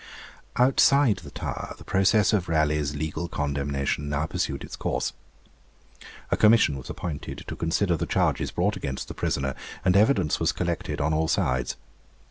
Outside the Tower the process of Raleigh's legal condemnation now pursued its course. A commission was appointed to consider the charges brought against the prisoner, and evidence was collected on all sides.